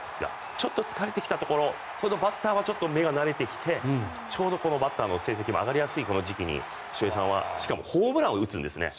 ちょっと疲れてきたところバッターは目が慣れてきてちょうどバッターの成績も上がりやすいこの時期に翔平さんは、しかもホームランを打つんですね。